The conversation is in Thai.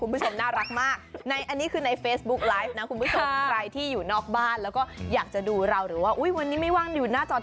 ผมก็อยากส่งมาจากร้านนะ